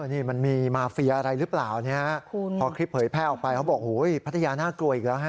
นี่มันมีมาเฟียอะไรหรือเปล่าพอคลิปเผยแพร่ออกไปเขาบอกโอ้โฮพระเทียน่ากลัวอีกแล้ว